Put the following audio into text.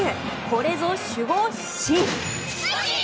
これぞ、守護神。